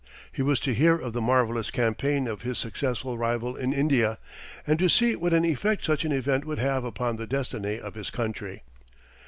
He was to hear of the marvellous campaign of his successful rival in India, and to see what an effect such an event would have upon the destiny of his country.